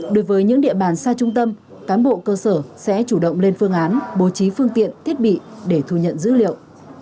đối với những địa bàn xa trung tâm cán bộ cơ sở sẽ chủ động lên phương án bố trí phương tiện thiết bị để thu nhận dữ liệu